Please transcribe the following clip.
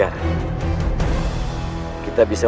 hal hebat dan panjang